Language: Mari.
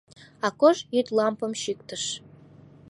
Акош йӱд лампым чӱктыш.